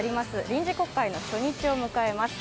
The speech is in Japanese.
臨時国会の初日を迎えます。